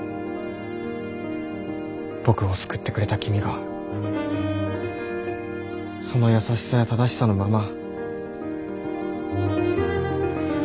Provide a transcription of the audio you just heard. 僕を救ってくれた君がその優しさや正しさのまま。